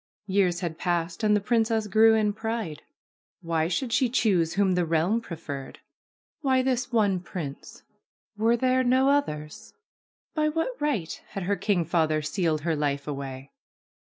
Years had passed and the princess grew in pride. Why should she choose whom the realm preferred ? Why this one prince ? 53 54i THE PRINCESS AND THE CUP BEARER Were there no others? By what right had her king father sealed her life away?